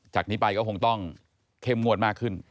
จากนี้ไปก็คงต้องเข้มงวดมากขึ้น